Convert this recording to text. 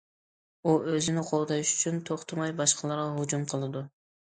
ئۇ ئۆزىنى قوغداش ئۈچۈن توختىماي باشقىلارغا ھۇجۇم قىلىدۇ.